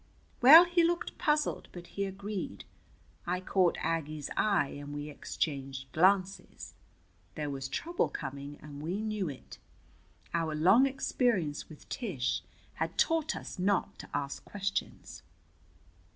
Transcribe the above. Well, he looked puzzled, but he agreed. I caught Aggie's eye, and we exchanged glances. There was trouble coming, and we knew it. Our long experience with Tish had taught us not to ask questions.